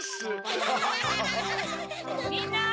・みんな！